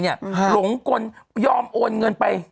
หลงกลยอมโอนเงินไป